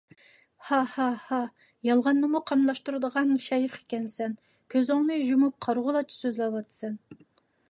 ھا! ھا! ھا! يالغاننىمۇ قاملاشتۇرىدىغان شەيخ ئىكەنسەن! كۆزۈڭنى يۇمۇپ قارىغۇلارچە سۆزلەۋاتىسەن.